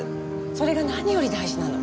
それが何より大事なの。